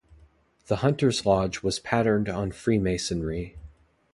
The Hunters' Lodge was patterned on Freemasonry.